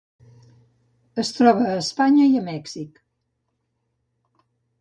Es troba a Espanya i a Mèxic.